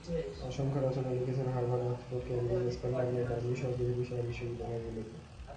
অসংখ্য রচনা লিখেছেন হার্ভার্ড, অক্সফোর্ড, কেমব্রিজ, স্কটল্যান্ডের ডানডিসহ পৃথিবীর সেরা বিশ্ববিদ্যালয়গুলোতে।